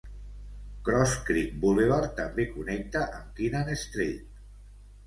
Cross Creek Boulevard també connecta amb Kinnan Street.